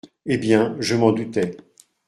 Eh bien, je m’en doutais.